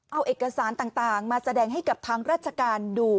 เอาเอกสารต่างมาแสดงให้กับทางราชการดู